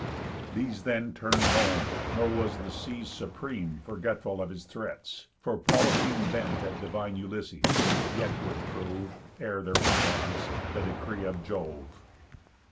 These then turn'd home; nor was the sea's Supreme Forgetful of his threats, for Polypheme Bent at divine Ulysses, yet would prove (Ere their performance) the decree of Jove.